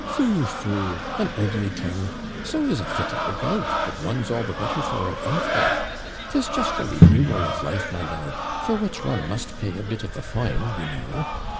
'Phoo! phoo! an ugly thing! So is a fit of the gout but one's all the better for it after. 'Tis just a renewal of life, my lord, for which one must pay a bit of a fine, you know.